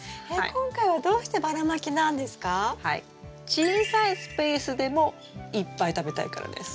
小さいスペースでもいっぱい食べたいからです。